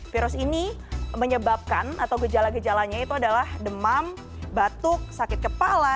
virus ini menyebabkan atau gejala gejalanya itu adalah demam batuk sakit kepala